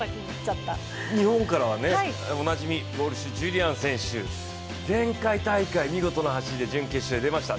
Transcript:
日本からはおなじみ、ウォルシュ・ジュリアン選手、前回大会、見事な走りで準決勝に出ました。